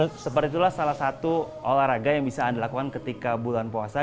ya seperti itulah salah satu olahraga yang bisa anda lakukan ketika bulan puasa